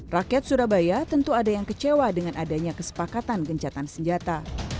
rakyat surabaya tentu ada yang kecewa dengan adanya kesepakatan gencatan senjata